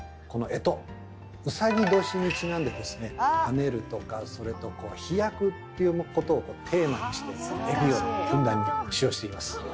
干支うさぎ年にちなんで跳ねるとか飛躍っていうことをテーマにしてエビをふんだんに使用しています。